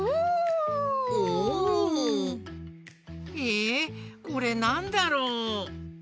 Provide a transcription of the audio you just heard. えっこれなんだろう？